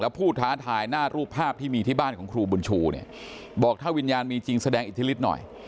ผู้ท้าทายหน้ารูปภาพที่มีที่บ้านของครูบุญชูเนี่ยบอกถ้าวิญญาณมีจริงแสดงอิทธิฤทธิ์หน่อย